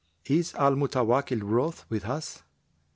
Is Al Mutawakkil wroth with us?'